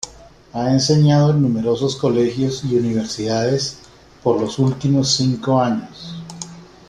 Ha enseñado en numerosos colegios y universidades por los últimos cinco años.